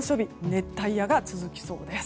熱帯夜が続きそうです。